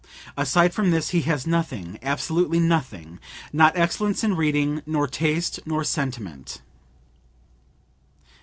Aside from this he has nothing, absolutely nothing; not excellence in reading, nor taste, nor sentiment."